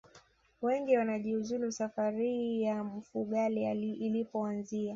wengi wanajiuliza safari ya mfugale ilipoanzia